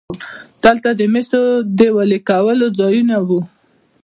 دلته د مسو د ویلې کولو ځایونه وو